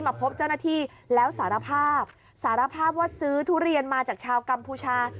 มาพบเจ้าหน้าที่แล้วสารภาพสารภาพว่าซื้อทุเรียนมาจากชาวกัมพูชา